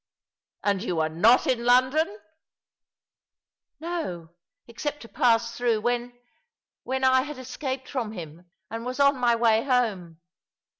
" And yon were not in London ?"" No, except to pass throngh, when — when I had escaped from him, and was on my way home."